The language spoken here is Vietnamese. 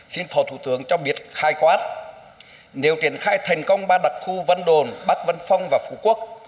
xin phò thủ tướng cho biết khai quát nếu triển khai thành công ba đặc khu vân đồn bắc vân phong và phú quốc